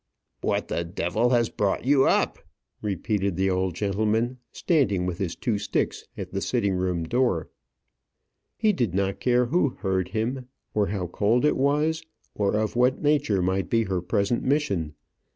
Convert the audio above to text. "What the d has brought you up?" repeated the old gentleman, standing with his two sticks at the sitting room door. He did not care who heard him, or how cold it was, or of what nature might be her present mission.